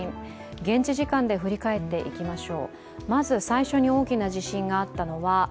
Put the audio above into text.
現地時間で振り返っていきましょう。